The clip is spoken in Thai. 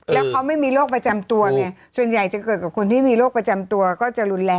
แล้วเขาไม่มีโรคประจำตัวไงส่วนใหญ่จะเกิดกับคนที่มีโรคประจำตัวก็จะรุนแรง